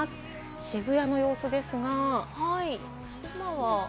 渋谷の様子ですが、今は。